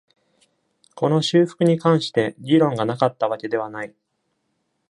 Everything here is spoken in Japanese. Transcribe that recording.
この修復に関して、議論がなかったわけではない。